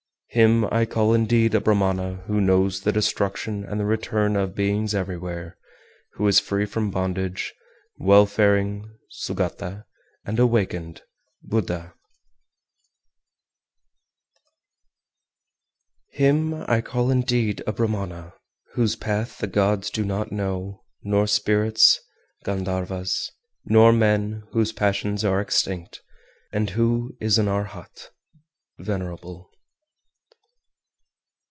Him I call indeed a Brahmana who knows the destruction and the return of beings everywhere, who is free from bondage, welfaring (Sugata), and awakened (Buddha). 420. Him I call indeed a Brahmana whose path the gods do not know, nor spirits (Gandharvas), nor men, whose passions are extinct, and who is an Arhat (venerable).